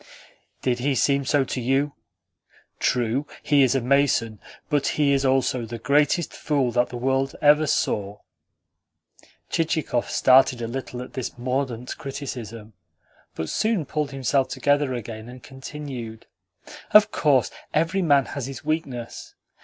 "Did he seem so to you? True, he is a mason, but he is also the greatest fool that the world ever saw." Chichikov started a little at this mordant criticism, but soon pulled himself together again, and continued: "Of course, every man has his weakness.